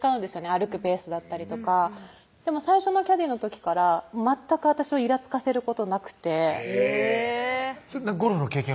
歩くペースだったりとかでも最初のキャディの時から全く私をイラつかせることなくてへぇゴルフの経験